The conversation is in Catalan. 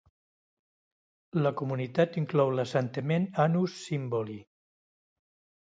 La comunitat inclou l'assentament Anus Symvoli.